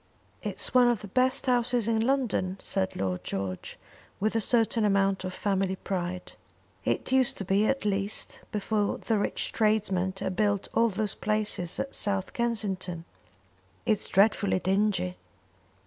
"It's one of the best houses in London," said Lord George, with a certain amount of family pride. "It used to be, at least, before the rich tradesmen had built all those palaces at South Kensington." "It's dreadfully dingy."